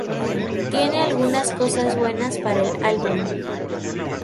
Tiene algunas cosas buenas para el álbum"".